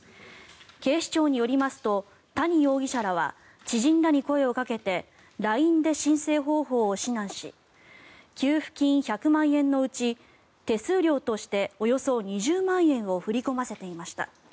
警視庁によりますと谷容疑者らは知人らに声をかけてＬＩＮＥで申請方法を指南し給付金１００万円のうち手数料としておよそ２０万円を振り込ませていました。